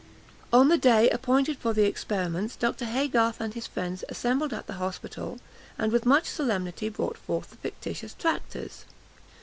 On the day appointed for the experiments Dr. Haygarth and his friends assembled at the hospital, and with much solemnity brought forth the fictitious tractors.